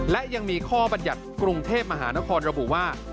และยังมีข้อบรรยัติกรุงเทพมหานครระบุว่า